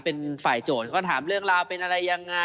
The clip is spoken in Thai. เป็นฝ่ายโจทย์เขาถามเรื่องราวเป็นอะไรยังไง